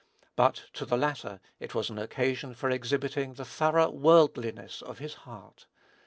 But to the latter it was an occasion for exhibiting the thorough worldliness of his heart.